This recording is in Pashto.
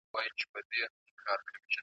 تېر به د ځوانۍ له پسرلیو لکه باد سمه .